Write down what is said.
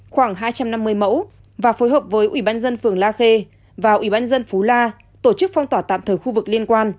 khoảng hai trăm năm mươi mẫu và phối hợp với ủy ban dân phường la khê và ủy ban dân phú la tổ chức phong tỏa tạm thời khu vực liên quan